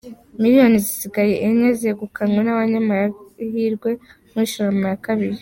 Miliyoni zisaga enye zegukanywe n’abanyamahirwe muri Sharama ya kabiri